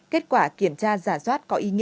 kết quả kiểm tra giả soát có ý nghĩa rất lớn